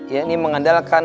yang ini mengandalkan